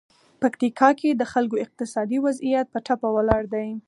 پکتیکا کې د خلکو اقتصادي وضعیت په ټپه ولاړ دی.